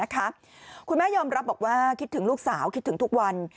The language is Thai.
คุณแม่ยอมรับบอกว่าคิดถึงลูกสาวคิดถึงทุกวัน